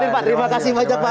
terima kasih banyak pak